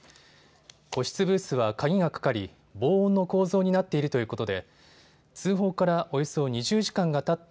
個室ブースは鍵がかかり、防音の構造になっているということで通報からおよそ２０時間がたった